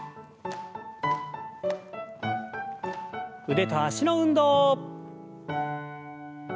腕と脚の運動。